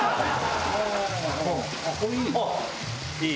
いい。